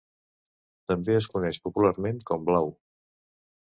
També es coneix popularment com blau.